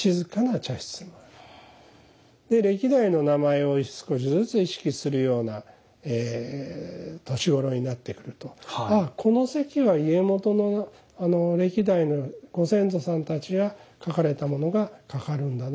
で歴代の名前を少しずつ意識するような年頃になってくるとこの席は家元の歴代のご先祖さんたちが書かれたものが掛かるんだな。